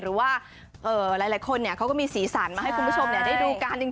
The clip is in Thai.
หรือว่าหลายคนเขาก็มีสีสันมาให้คุณผู้ชมได้ดูกัน